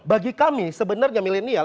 bagi kami sebenarnya milenial